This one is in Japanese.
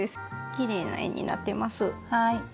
きれいな円になってます。